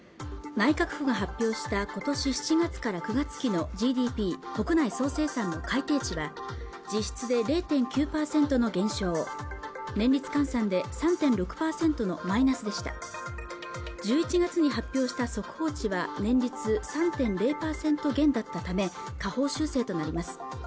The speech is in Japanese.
内閣府が発表したことし７月から９月期のＧＤＰ＝国内総生産の改定値は実質で０．９％の減少年率換算で３．６％のマイナスでした１１月に発表した速報値は年率３．０％減だったため下方修正となります